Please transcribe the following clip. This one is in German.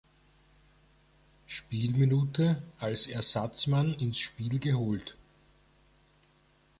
Spielminute als Ersatzmann ins Spiel geholt.